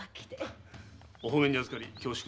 お褒めにあずかり恐縮です。